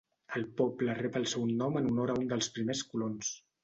El poble rep el seu nom en honor a un dels primers colons.